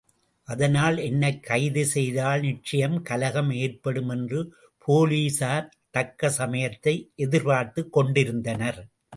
அதனால் என்னைக் கைது செய்தால் நிச்சயம் கலகம் ஏற்படும் என்று போலீசார் தக்க சமயத்தை எதிர்பார்த்துக் கொண்டிருந்தனர்.